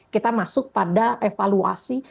kita masuk pada evaluasi